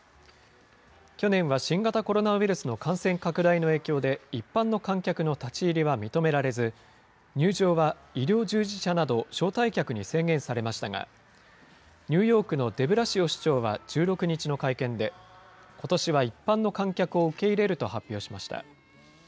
去年は新型コロナウイルスの感染拡大の影響で、一般の観客の立ち入りは認められず、入場は医療従事者など招待客に制限されましたが、ニューヨークのデブラシオ市長は１６日の会見で、ことしは一般の観客を受け入れると発表しました。